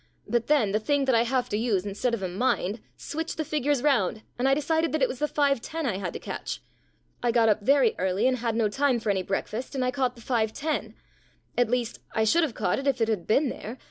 But then the thing that I have to use instead of a mind switched the figures round, and I decided that it was the 5.10 I had to catch. I got up very early, and had no time for any breakfast, and I caught the 5.10. At least, I should have caught it if it had been there.